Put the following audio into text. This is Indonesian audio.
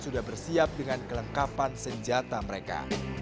sudah bersiap dengan kelengkapan senjata mereka